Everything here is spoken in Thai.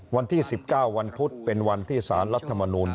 วันที่๑๙วันพุธเป็นวันที่สารรัฐมนูล